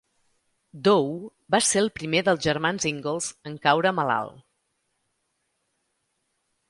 Dow va ser el primer dels germans Ingalls en caure malalt.